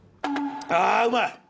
あうまい！